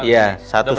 iya satu set